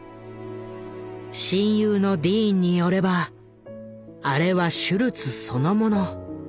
親友のディーンによればあれはシュルツそのもの。